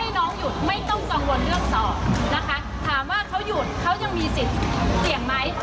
น้องหยุดไม่ต้องกังวลเรื่องต่อนะคะถามว่าเขาหยุดเขายังมีสิทธิ์เสี่ยงไหม